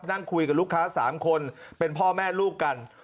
นั่งคุยกับลูกค้า๓คนเป็นพ่อแม่ลูกกัน